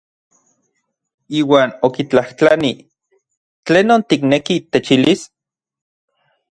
Iuan okitlajtlanij: ¿Tlenon tikneki techilis?